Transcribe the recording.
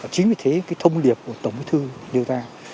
chính vì thế thông điệp của tổng bí thư đưa ra